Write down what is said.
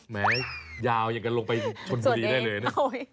แม้ยาวยังกันลงไปชนสดีได้เลยนะ